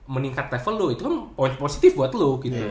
meningkat level lu itu kan always positif buat lu